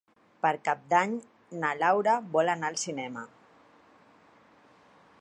Per Cap d'Any na Laura vol anar al cinema.